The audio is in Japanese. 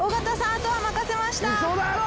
あとは任せました嘘だろ！？